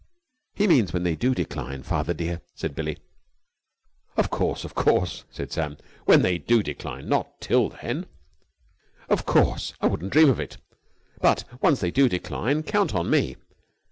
"He means when they do decline, father dear," said Billie. "Of course, of course," said Sam. "When they do decline. Not till then, of course! I wouldn't dream of it. But, once they do decline, count on me!